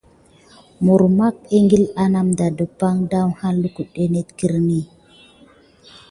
Mirmek daouhalà ékile à nakuda depak daouha lukude net kirini va neɗe.